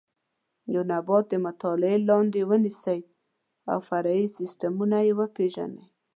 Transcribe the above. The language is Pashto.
یو نبات د مطالعې لاندې ونیسئ او فرعي سیسټمونه یې وپېژنئ.